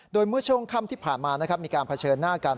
โดยเมื่อช่วงค่ำที่ผ่านมามีการเผชิญหน้ากัน